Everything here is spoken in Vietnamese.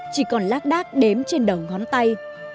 chỉ còn lát đác đếm trên đầu ngón tay